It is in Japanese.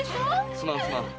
すまんすまん。